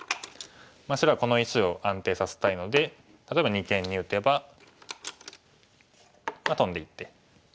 白はこの石を安定させたいので例えば二間に打てばトンでいって。